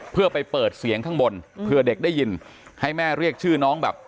เพื่อไปเปิดเสียงข้างบนเพื่อเด็กได้ยินให้แม่เรียกชื่อน้องแบบ